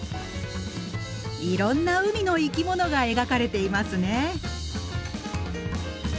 いろんな海の生き物が描かれていますね。